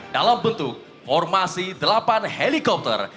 dalam bentuk formasi delapan helikopter